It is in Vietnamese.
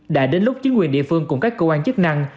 đã đến lúc chính quyền địa phương cùng các cơ quan chức năng